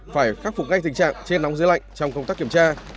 phải khắc phục ngay tình trạng trên nóng dưới lạnh trong công tác kiểm tra